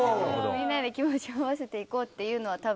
みんなで気持ちを合わせていこうというのは。